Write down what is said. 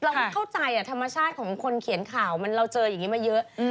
เราเข้าใจธรรมชาติของคนเขียนข่าวมันเราเจออย่างนี้มาเยอะ